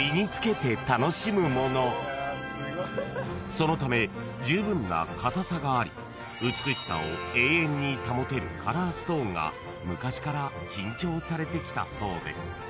［そのためじゅうぶんな硬さがあり美しさを永遠に保てるカラーストーンが昔から珍重されてきたそうです］